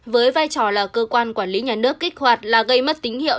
với vai trò là cơ quan quản lý nhà nước kích hoạt là gây mất tín hiệu